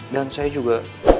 dan saya juga